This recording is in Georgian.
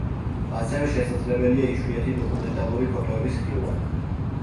ასევე შესაძლებელია იშვიათი დოკუმენტალური ფოტოების ხილვა.